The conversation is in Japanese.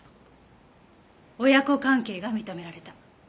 親子関係が認められた。